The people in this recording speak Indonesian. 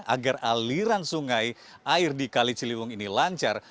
agar aliran sungai air di kali ciliwung ini lancar